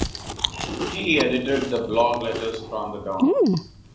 He edited the blog Letters from the Don.